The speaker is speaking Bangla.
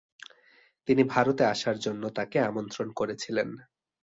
তিনি ভারতে আসার জন্য তাকে আমন্ত্রণ করেছিলেন।